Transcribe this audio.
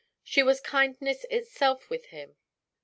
She was kindness itself with him.